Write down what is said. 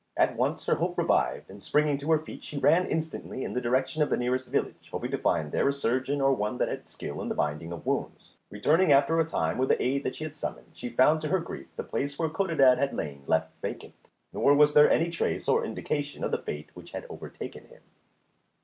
At once her hope revived, and springing to her feet she ran instantly in the direction of the nearest village, hoping to find there a surgeon or one that had skill in the binding of wounds. Returning after a time with the aid that she had summoned she found to her grief the place where Codadad had lain left vacant, nor was there any trace or indication of the fate which had overtaken him.